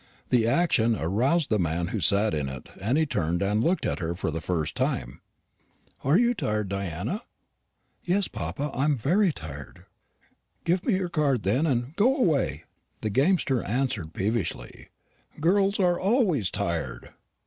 The action aroused the man who sat in it, and he turned and looked at her for the first time. "You are tired, Diana?" "Yes, papa, I am very tired." "Give me your card, then, and go away," the gamester answered peevishly; "girls are always tired."